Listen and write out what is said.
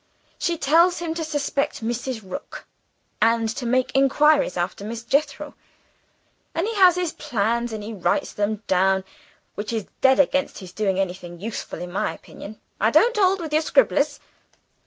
She tells him to suspect Mrs. Rook, and to make inquiries after Miss Jethro. And he has his plans; and he writes them down, which is dead against his doing anything useful, in my opinion. I don't hold with your scribblers.